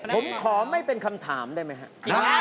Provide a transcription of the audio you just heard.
ผมขอไม่เป็นคำถามได้ไหมครับ